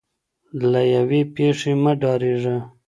له یوې پیښې مه ډاریږه.